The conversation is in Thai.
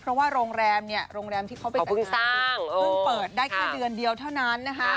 เพราะว่าโรงแรมเนี่ยโรงแรมที่เขาไปจัดสร้างเพิ่งเปิดได้แค่เดือนเดียวเท่านั้นนะคะ